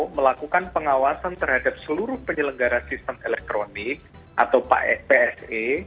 melakukan pengawasan terhadap seluruh penyelenggara sistem elektronik atau pse